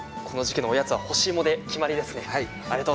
この時期のおやつは干し芋で決まりですね。